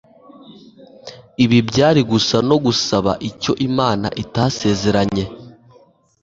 Ibi byari gusa no gusaba icyo Imana itasezeranye